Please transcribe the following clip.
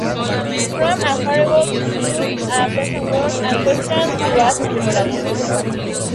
From A Farewell to God, A Personal Word, and Questions to Ask Yourself.